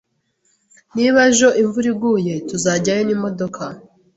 Niba ejo imvura iguye, tuzajyayo n'imodoka